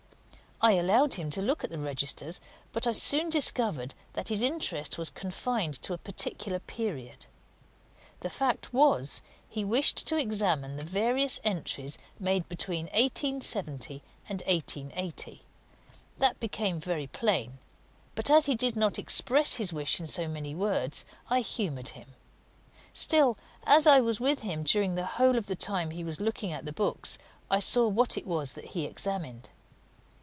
I allowed him to look at the registers, but I soon discovered that his interest was confined to a particular period. The fact was, he wished to examine the various entries made between 1870 and 1880. That became very plain; but as he did not express his wish in so many words, I humoured him. Still, as I was with him during the whole of the time he was looking at the books, I saw what it was that he examined."